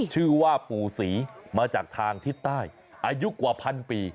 ชื่อว่าปู่ศรีมาจากทางทิศใต้อายุกว่าพันปี